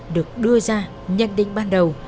được đưa ra nhân định ban đầu